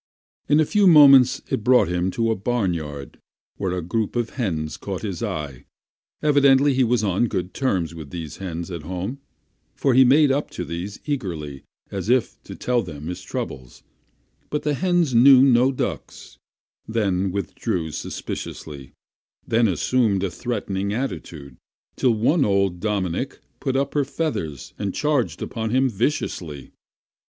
In a few moments it brought him into a barnyard, where a group of hens caught his eye. Evidently he was on good terms with hens at home, for he made up to these eagerly as if to tell them his troubles; but the hens knew not ducks; they withdrew suspiciously, then assumed a threatening attitude, till one old "dominic" put up her feathers and charged upon him viciously.